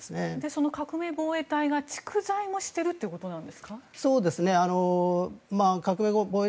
その革命防衛隊が蓄財もしているということですか？